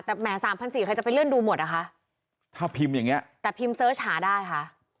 แต่แหมสามพันสี่ใครจะไปเลื่อนดูหมดอ่ะคะถ้าพิมพ์อย่างเงี้แต่พิมพ์เสิร์ชหาได้ค่ะ